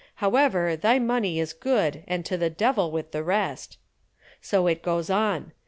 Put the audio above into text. However, thy money is good and to the devil with the rest.' So it goes on.